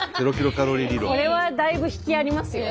これはだいぶ引きありますよ。